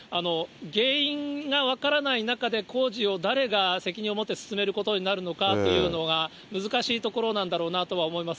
原因が分からない中で、工事を誰が責任を持って進めることになるのかというのが難しいところなんだろうなとは思います。